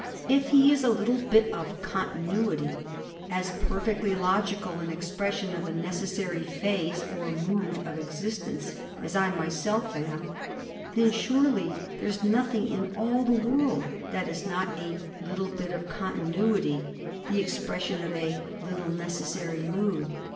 If he is a little bit of continuity, as perfectly logical an expression of a necessary phase or mood of existence as I myself am, then, surely, there is nothing in all the world that is not a little bit of continuity, the expression of a little necessary mood.